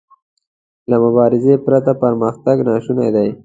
له مبارزې پرته پرمختګ ناشونی دی.